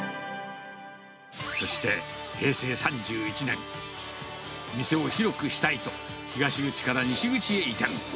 そして、平成３１年、店を広くしたいと、東口から西口へ移転。